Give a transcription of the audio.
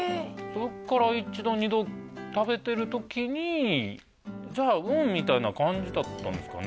そっから１度２度食べてる時に「じゃあうん」みたいな感じだったんですかね？